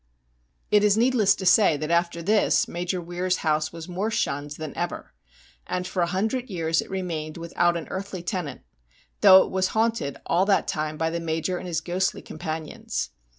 It is needless to say that after this Major Weir's house was more shunned than ever, and for a hundred years it remained without an earthly tenant, though it was haunted all that time by the Major and his ghostly companions.